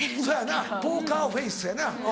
そやなポーカーフェースやな。